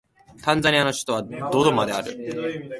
タンザニアの首都はドドマである